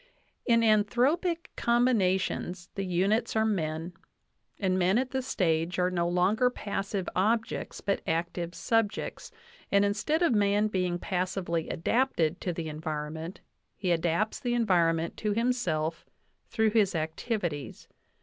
"In anthropic combina tions the units are men, and men at this stage are no longer passive objects, but active subjects, and instead of man being passively adapted to the environment, he adapts the environ ment to himself through his activities.